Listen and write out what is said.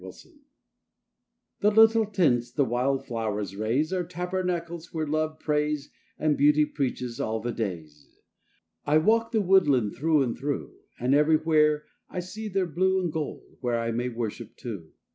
TABERNACLES The little tents the wildflowers raise Are tabernacles where Love prays And Beauty preaches all the days. I walk the woodland through and through, And everywhere I see their blue And gold where I may worship too.